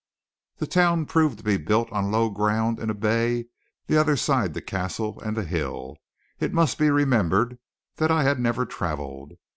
The town proved to be built on low ground in a bay the other side the castle and the hill. It must be remembered that I had never travelled.